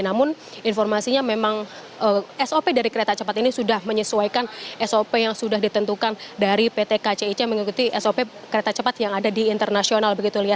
namun informasinya memang sop dari kereta cepat ini sudah menyesuaikan sop yang sudah ditentukan dari pt kcic mengikuti sop kereta cepat yang ada di internasional begitu lia